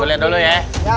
gue liat dulu ya